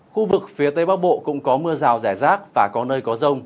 khu vực phía tây bắc bộ cũng có mưa rào rẻ rác và có nơi có rông